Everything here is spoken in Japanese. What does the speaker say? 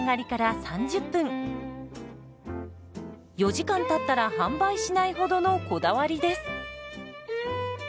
４時間たったら販売しないほどのこだわりです。